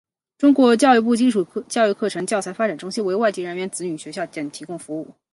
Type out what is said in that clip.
中国教育部基础教育课程教材发展中心为外籍人员子女学校等提供服务。